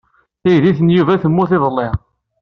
Taydit n Yuba temmut iḍelli.